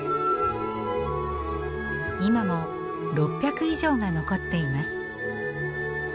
今も６００以上が残っています。